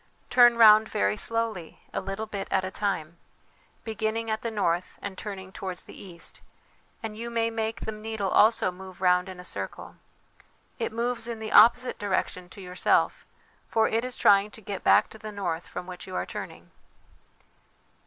Turn round very slowly, a little bit at a time, beginning at the north and turning towards the east, and you may make the needle also move round in a circle. It moves in the opposite direction to yourself, for it is trying to get back to the north from which you are turning."